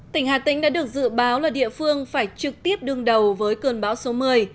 tỉnh hà tĩnh đã được dự báo là địa phương phải trực tiếp đương đầu với cơn bão số một mươi